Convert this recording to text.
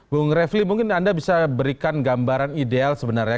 bung refli mungkin anda bisa berikan gambaran ideal sebenarnya